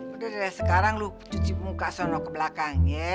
udah deh sekarang lo cuci muka sana ke belakang ya